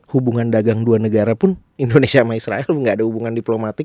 hubungan dagang dua negara pun indonesia sama israel tidak ada hubungan diplomatik